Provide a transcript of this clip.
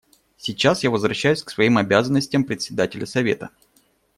Сейчас я возвращаюсь к своим обязанностям Председателя Совета.